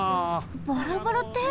バラバラって！？